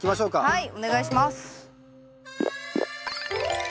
はいお願いします。